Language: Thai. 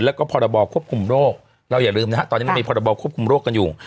แล้วก็พรบควบคุมโรคเราอย่าลืมนะฮะตอนนี้มันมีพรบควบคุมโรคกันอยู่